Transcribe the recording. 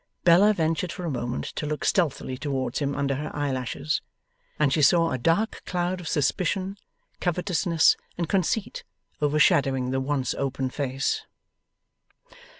Bella ventured for a moment to look stealthily towards him under her eyelashes, and she saw a dark cloud of suspicion, covetousness, and conceit, overshadowing the once open face.